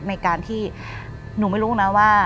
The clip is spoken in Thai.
ในการที่หนูไม่รู้นะว่า